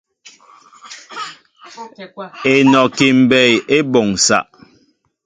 Enɔki mbɛy e boŋsa.